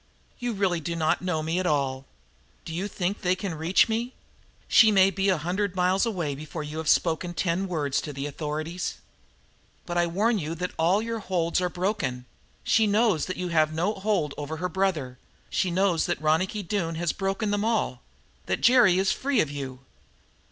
You really do not know me at all. Do you think they can reach me? She may be a hundred miles away before you have spoken ten words to the authorities." "But I warn you that all your holds on her are broken. She knows that you have no holds over her brother. She knows that Ronicky Doone has broken them all that Jerry is free of you!"